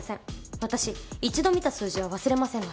私１度見た数字は忘れませんので。